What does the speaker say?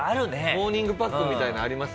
モーニングパックみたいなありますね。